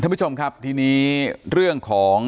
ท่านผู้ชมครับทีนี้เรื่องของ